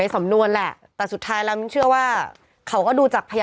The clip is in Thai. ไม่ควรจะลงจากเด็กค่ะ